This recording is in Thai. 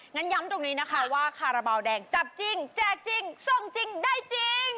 งั้นย้ำตรงนี้นะคะว่าคาราบาลแดงจับจริงแจกจริงส่งจริงได้จริง